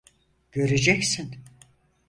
Göreceksin.